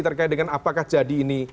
terkait dengan apakah jadi ini